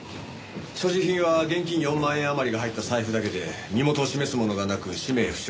所持品は現金４万円余りが入った財布だけで身元を示すものがなく氏名不詳。